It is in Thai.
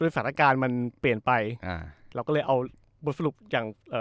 สถานการณ์มันเปลี่ยนไปอ่าเราก็เลยเอาบทสรุปอย่างเอ่อ